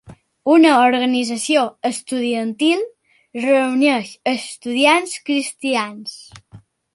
Una organització estudiantil reuneix estudiants cristians.